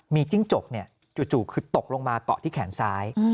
มีจิ้งจกจู่คือตกลงมาเกาะที่แขนซ้าย